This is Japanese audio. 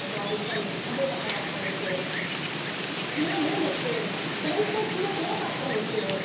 血を飲むシーンが断トツで怖かったんですよ。